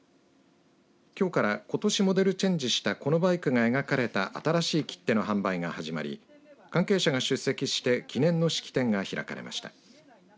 きょうからことしモデルチェンジしたこのバイクが描かれた新しい切手の販売が始まり関係者が出席して記念の式典が開かれました。